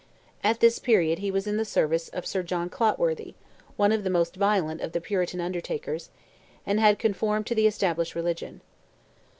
At this period he was in the service of Sir John Clotworthy, one of the most violent of the Puritan Undertakers, and had conformed to the established religion.